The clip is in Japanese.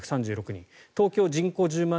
東京人口１０万